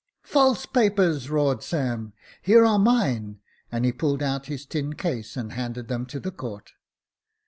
"' False papers !' roared Sam. * Here are mine ;' and he pulled out his tin case, and handed them to the court.